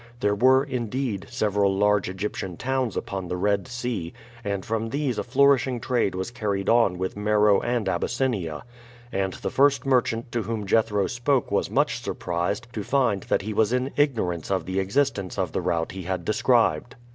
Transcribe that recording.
There were, indeed, several large Egyptian towns upon the Red Sea, and from these a flourishing trade was carried on with Meroe and Abyssinia; and the first merchant to whom Jethro spoke was much surprised to find that he was in ignorance of the existence of the route he had described.